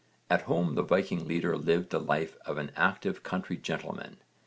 At home the Viking leader lived the life of an active country gentleman.